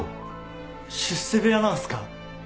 出世部屋なんすか？